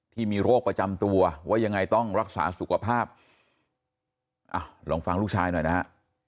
ที่มีโรคประจำตัวว่ายังไงต้องรักษาสุขภาพอ่ะลองฟังลูกชายหน่อยนะฮะ